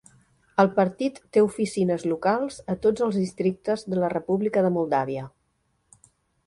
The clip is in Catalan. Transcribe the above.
El partit té oficines locals a tots els districtes de la República de Moldàvia.